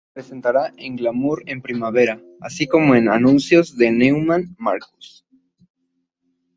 Se presentará en Glamour en primavera, así como en anuncios de Neiman-Marcus.